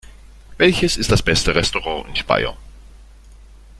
Welches ist das beste Restaurant in Speyer?